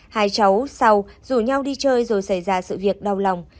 hai cháu sau rủ nhau đi chơi rồi xảy ra sự việc đau lòng